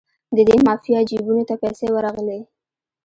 د دې مافیا جیبونو ته پیسې ورغلې.